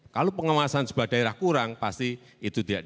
kalau pengawasan sebuah daerah kurang pasti itu tidak ada